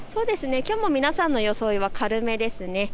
きょうも皆さんの装いは軽めですね。